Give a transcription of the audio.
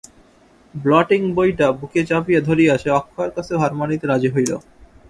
ব্লটিং-বইটা বুকে চাপিয়া ধরিয়া সে অক্ষয়ের কাছেও হার মানিতে রাজি হইল।